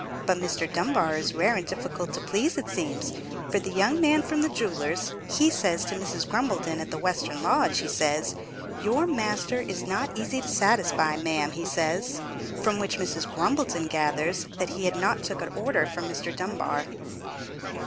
But Mr. Dunbar is rare and difficult to please, it seems; for the young man from the jeweller's, he says to Mrs. Grumbleton at the western lodge, he says, 'Your master is not easy to satisfy, ma'am,' he says; from which Mrs. Grumbleton gathers that he had not took a order from Mr. Dunbar."